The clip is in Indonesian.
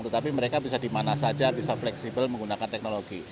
tetapi mereka bisa dimana saja bisa fleksibel menggunakan teknologi